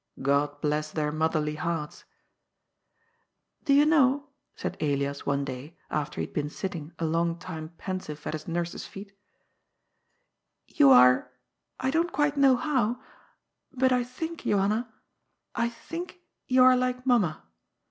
God bless their motherly hearts !^' Do you know,^' said Elias one day, after he had been sitting a long time pensive at his nurse's feet, " you are — I don't quite know how — but I think, Johanna, I think you are like mamma.